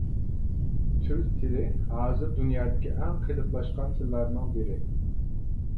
تۈرك تىلى ھازىر دۇنيادىكى ئەڭ قېلىپلاشقان تىللارنىڭ بىرى.